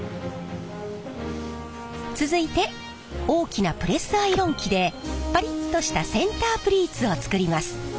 続いて大きなプレスアイロン機でパリッとしたセンタープリーツを作ります。